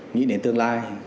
nghĩ đến tương lai